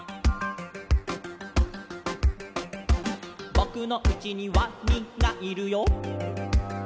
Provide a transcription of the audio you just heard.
「ぼくのうちにワニがいるよ」